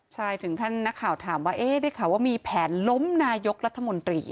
ใช่ถึงขั้นนักข่าวถามว่าได้ข่าวว่ามีแผนล้มนายกรัฐมนตรี